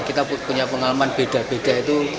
kita punya pengalaman beda beda itu